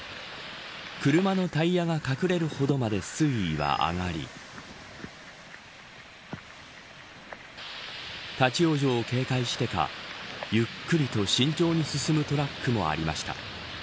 車のタイヤが隠れるほどまで水位は上がり立ち往生を警戒してかゆっくりと慎重に進むトラックもありました。